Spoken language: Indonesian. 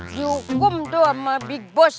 diukum tuh ama big boss